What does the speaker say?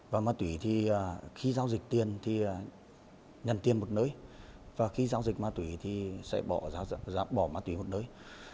và ma túy thì khi giao dịch tiền thì nhận tiền một nơi và khi giao dịch ma túy thì sẽ bỏ ma túy một nơi